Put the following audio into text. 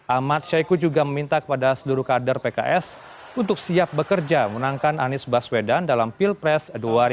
ahmad syahiku juga meminta kepada seluruh kader pks untuk siap bekerja menangkan anies baswedan dalam pilpres dua ribu sembilan belas